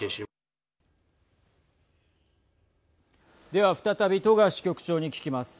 では、再び戸川支局長に聞きます。